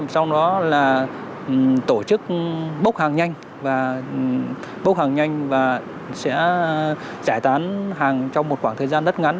sau đó là tổ chức bốc hàng nhanh và sẽ giải tán hàng trong một khoảng thời gian rất ngắn